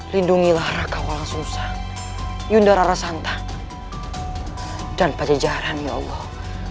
lindungilah raka walang susang yundara rasantan dan pajajaran ya allah